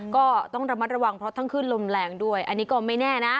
ก็ต้องระมัดระวังเพราะทั้งขึ้นลมแรงด้วยอันนี้ก็ไม่แน่นะ